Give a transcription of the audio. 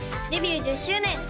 デビュー１０周年